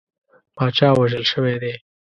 پاچا وژل شوی دی.